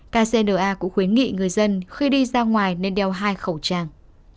kcna cũng khuyến nghị người dân khi đi ra ngoài nên đeo hai khẩu trang